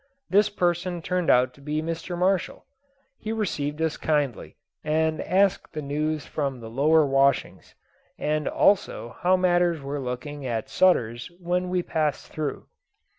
This person turned out to be Mr. Marshall. He received us kindly, and asked the news from the lower washings, and also how matters were looking at Sutter's when we passed through.